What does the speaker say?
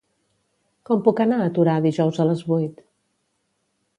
Com puc anar a Torà dijous a les vuit?